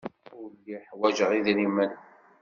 Ur lliɣ ḥwajeɣ idrimen.